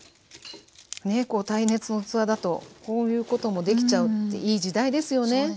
耐熱の器だとこういうこともできちゃうっていい時代ですよね。